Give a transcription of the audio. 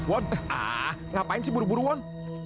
won ngapain sih buru buru won